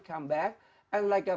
saya akan kembali